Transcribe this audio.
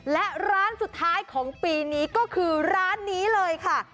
และร้านสุดท้ายของปีนี้ก็คือร้านนี้เลยค่ะ